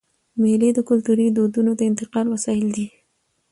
مېلې د کلتوري دودونو د انتقال وسایل دي.